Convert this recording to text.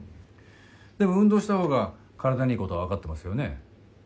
でも運動した方が体にいいこと分かってますよね。